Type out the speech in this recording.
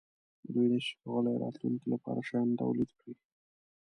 دوی نشوای کولای راتلونکې لپاره شیان تولید کړي.